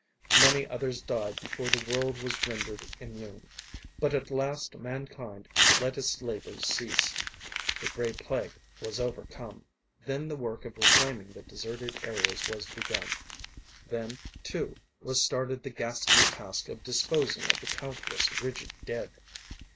Many others died before the world was rendered immune, but at last mankind let its labors cease. The Gray Plague was overcome. Then the work of reclaiming the deserted areas was begun; then, too, was started the ghastly task of disposing of the countless, rigid dead.